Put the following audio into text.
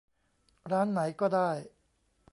ร้านไหนก็ได้